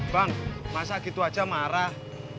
bang masa gitu aja marah